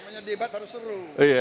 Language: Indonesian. namanya debat baru seru